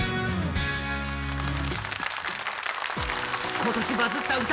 今年バズった歌